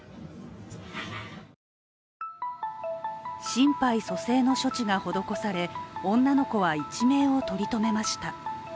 心肺蘇生の処置が施され女の子は一命を取りとめました。